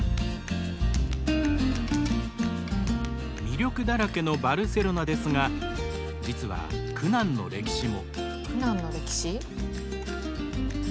魅力だらけのバルセロナですが実は苦難の歴史？